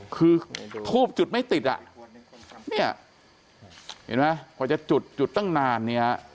คือทูบจุดไม่ติดอ่ะเนี่ยเห็นไหมกว่าจะจุดจุดตั้งนานเนี่ย